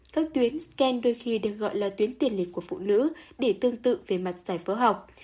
các tuyến scan đôi khi được gọi là tuyến tiền liệt của phụ nữ để tương tự về mặt giải phẫu học